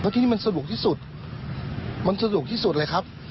ที่นี่มันสะดวกที่สุดมันสะดวกที่สุดเลยครับ